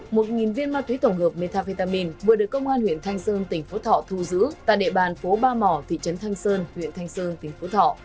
một viên ma túy tổng hợp metafetamin vừa được công an huyện thanh sơn tỉnh phú thọ thu giữ tại địa bàn phố ba mỏ thị trấn thanh sơn huyện thanh sơn tỉnh phú thọ